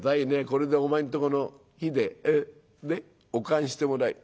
これでお前んとこの火でお燗してもらい」。